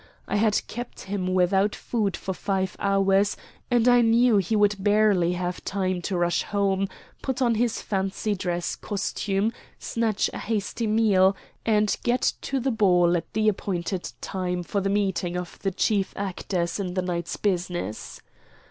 I had kept him without food for five hours, and I knew he would barely have time to rush home, put on his fancy dress costume, snatch a hasty meal, and get to the ball at the appointed time for the meeting of the chief actors in the night's business.